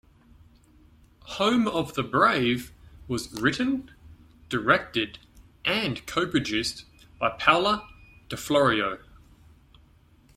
"Home of the Brave" was written, directed, and co-produced by Paola di Florio.